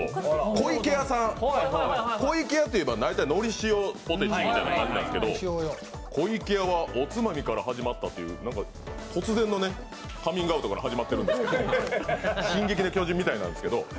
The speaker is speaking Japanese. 湖池屋さん、湖池屋といえば大体のりしおポテチという感じがしますけど、「湖池屋は、おつまみから始まった」という突然のカミングアウトから始まっているんですけど、「進撃の巨人」みたいですけど。